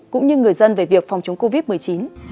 cũng như người dân về việc phòng chống covid một mươi chín